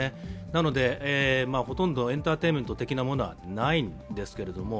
なので、ほとんどエンターテインメント的なものはないんですが。